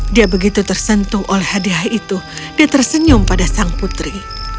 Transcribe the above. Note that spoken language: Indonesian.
dia begitu tersentuh oleh hadiah itu dia tersenyum pada sang putri